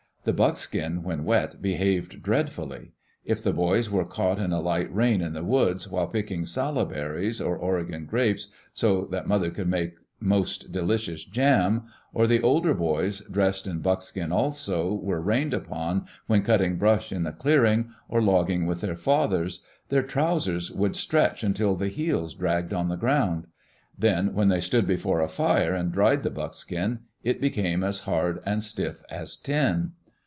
The buckskin when wet behaved dreadfully. If the boys were caught in a light rain in the woods, while picking salal berries or Oregon grapes so that mother could make most delicious Digitized by CjOOQ IC EARLT DAYS IN OLD OREGON jam, or the older boys, dressed in buckskin also, were rained upon when cutting brush in the clearing, or logging with their fathers, their trousers would stretch until the heels dragged on the ground. Then, when they stood before a fire and dried the buckskin, it became as hard and stiff as tin.